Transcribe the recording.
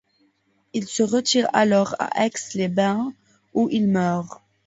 Il se retire alors à Aix-les-Bains, où il meurt.